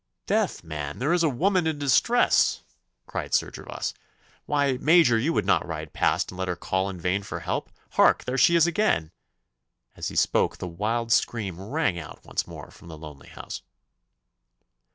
'Death, man! there is a woman in distress,' cried Sir Gervas. 'Why, Major, you would not ride past and let her call in vain for help? Hark, there she is again!' As he spoke the wild scream rang out once more from the lonely house.